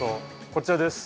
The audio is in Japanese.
こちらです。